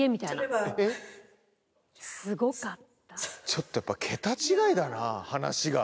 ちょっとやっぱ桁違いだな話が。